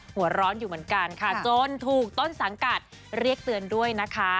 หัวร้อนอยู่เหมือนกันค่ะจนถูกต้นสังกัดเรียกเตือนด้วยนะคะ